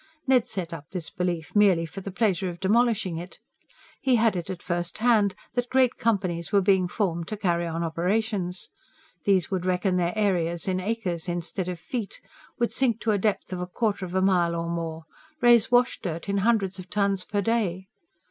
Ned set up this belief merely for the pleasure of demolishing it. He had it at first hand that great companies were being formed to carry on operations. These would reckon their areas in acres instead of feet, would sink to a depth of a quarter of a mile or more, raise washdirt in hundreds of tons per day.